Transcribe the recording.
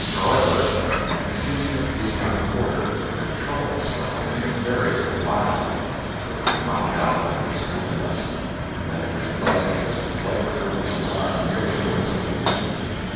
However, in its seasons of being out of order it could trouble us for only a very little while: we quickly found out that it was fooling us, and that it was buzzing its blood curdling alarm merely for its own amusement.